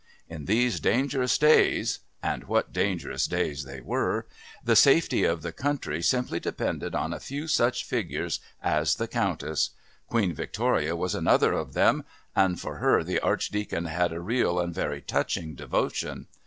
In these dangerous days and what dangerous days they were! the safety of the country simply depended on a few such figures as the Countess. Queen Victoria was another of them, and for her the Archdeacon had a real and very touching devotion.